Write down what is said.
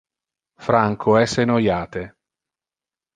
Franco es enoiate.